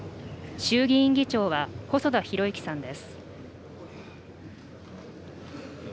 衆議院議長は細田博之さんです。